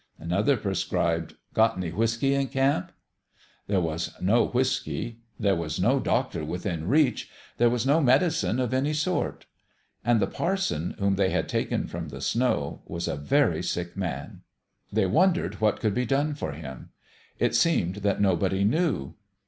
Another prescribed :" Got any whiskey in camp ?" There was no whiskey there was no doctor within reach there was no medicine of any sort. And the parson, whom they had taken from the snow, was a very sick man. They wondered what could be done for him. It seemed that nobody knew.